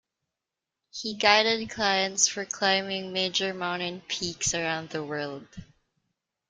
He guided clients for climbing major mountain peaks around the world.